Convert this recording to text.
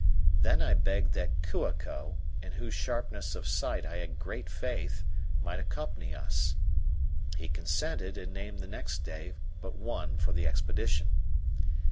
Then I begged that Kua ko, in whose sharpness of sight I had great faith, might accompany us. He consented, and named the next day but one for the expedition.